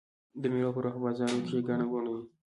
د مېلو پر وخت په بازارو کښي ګڼه ګوڼه يي.